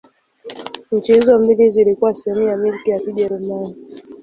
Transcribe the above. Nchi hizo mbili zilikuwa sehemu ya Milki ya Kijerumani.